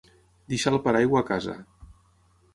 Deixar el paraigua a casa.